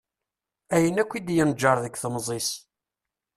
Ayen akk i d-yenǧer deg temẓi-s.